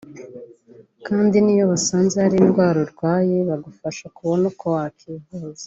kandi niyo basanze hari indwara arwaye bagufasha kubona uko wakwivuza